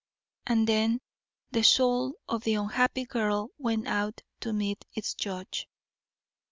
and then the soul of the unhappy girl went out to meet its Judge.